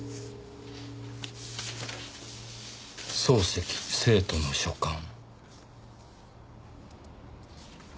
漱石生徒の書簡。